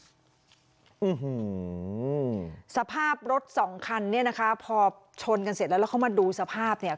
อืมสภาพรถสองคันเนี่ยนะคะพอชนกันเสร็จแล้วแล้วเขามาดูสภาพเนี่ย